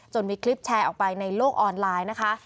มีคลิปแชร์ออกไปในโลกออนไลน์นะคะ